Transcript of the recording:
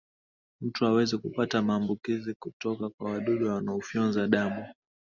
mtu hawezi kupata maambukizi kutoka kwa wadudu wanaofyonza damu